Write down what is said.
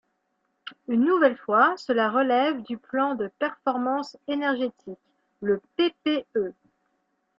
Une nouvelle fois, cela relève du plan de performance énergétique, le PPE.